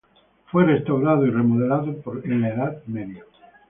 Fue restaurado y remodelado en la Edad Media.